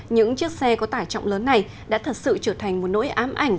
những chiếc xe có tải trọng lớn này đã thật sự trở thành một nỗi ám ảnh